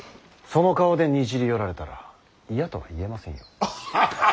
その顔でにじり寄られたら嫌とは言えませんよ。